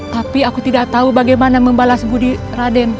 tapi aku tidak tahu bagaimana membalas budi raden